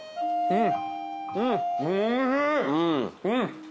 うん。